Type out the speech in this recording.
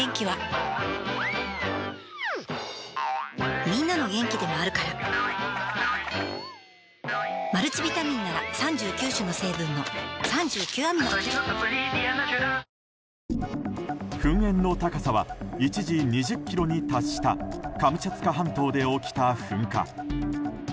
「ディアナチュラ」噴煙の高さは一時２０ｋｍに達したカムチャツカ半島で起きた噴火。